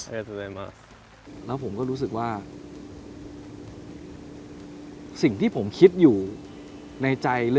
คุณต้องเป็นผู้งาน